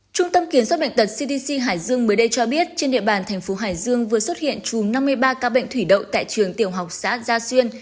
trung tâm kiểm soát bệnh tật cdc hải dương mới đây cho biết trên địa bàn thành phố hải dương vừa xuất hiện chùm năm mươi ba ca bệnh thủy đậu tại trường tiểu học xã gia xuyên